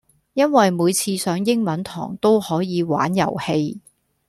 因為每次上英文堂都可以玩遊戲